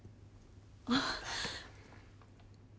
あっ！